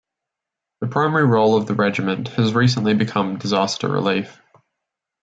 The primary role of the Regiment has recently become disaster relief.